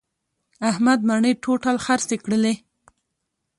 احمد مڼې ټوټل خرڅې کړلې.